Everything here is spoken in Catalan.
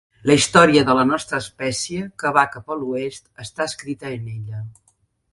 La història de la nostra espècie que va cap a l'oest està escrita en ella.